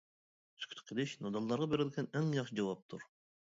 سۈكۈت قىلىش، نادانلارغا بېرىلگەن ئەڭ ياخشى جاۋابتۇر.